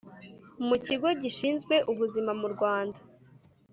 mu kigo gishinzwe ubuzima mu Rwanda